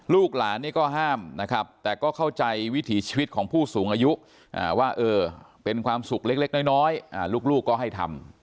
ลูกหลานเนี่ยก็ห้ามนะครับแต่ก็เข้าใจวิถีชีวิตของผู้สูงอายุว่าเป็นความสุขเล็กน้อยลูกก็ให้ทำ